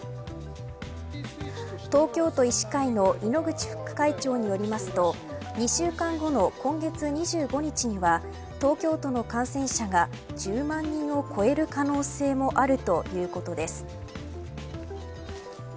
東京都医師会の猪口副会長によりますと２週間後の今月２５日には東京都の感染者が１０万人を超える可能性もあるということです。